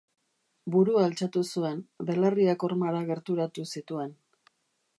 Burua altxatu zuen, belarriak hormara gerturatu zituen.